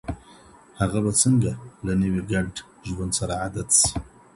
هغه به څنګه له نوي ګډ ژوند سره عادت سي؟